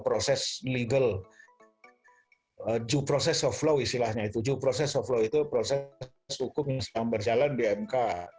proses legal due process of law istilahnya itu due process of law itu proses hukum yang sedang berjalan di mk